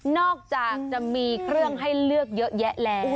อกจากจะมีเครื่องให้เลือกเยอะแยะแล้ว